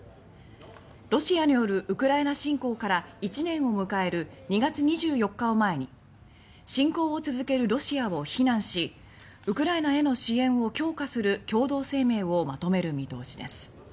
ロシアによるウクライナ侵攻から１年を迎える２月２４日を前に侵攻を続けるロシアを非難しウクライナへの支援を強化する共同声明をまとめる見通しです。